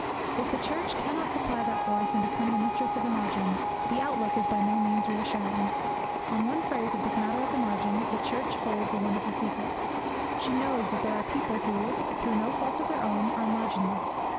If the Church cannot supply that force, and become the Mistress of the Margin, the outlook is by no means reassuring. On one phase of this matter of the margin the Church holds a wonderful secret. She knows that there are people who, through no fault of their own, are marginless.